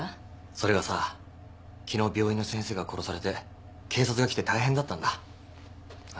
それがさ昨日病院の先生が殺されて警察が来て大変だったんだあっ